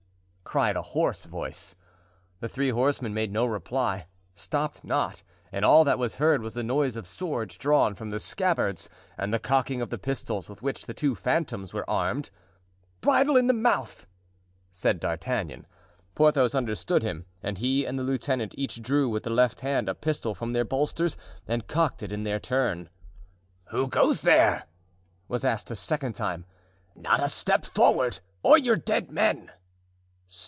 cried a hoarse voice. The three horsemen made no reply, stopped not, and all that was heard was the noise of swords drawn from the scabbards and the cocking of the pistols with which the two phantoms were armed. "Bridle in mouth!" said D'Artagnan. Porthos understood him and he and the lieutenant each drew with the left hand a pistol from their bolsters and cocked it in their turn. "Who goes there?" was asked a second time. "Not a step forward, or you're dead men."